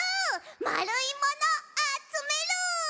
まるいものあつめる！